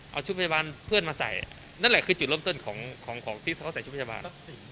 เอาชุดพยาบาลเพื่อนมาใส่นั่นแหละคือจุดเริ่มต้นของของที่เขาใส่ชุดพยาบาล